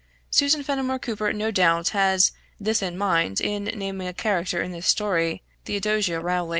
Susan Fenimore Cooper no doubt has this in mind in naming a character in this story Theodosia Rowley.